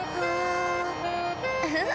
ウフフ。